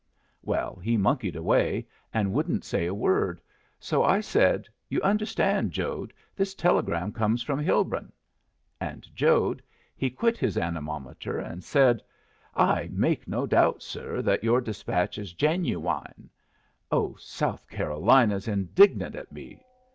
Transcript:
Well, he monkeyed away, and wouldn't say a word, so I said, 'You understand, Jode, this telegram comes from Hilbrun.' And Jode, he quit his anemometer and said, 'I make no doubt, sir, that your despatch is genuwine.' Oh, South Carolina's indignant at me!"